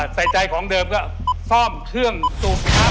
ใส่ใจของเดิมก็ฟอกเทื่องตรุบครับ